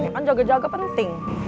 kan jaga jaga penting